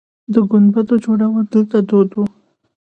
د ګنبدو جوړول دلته دود و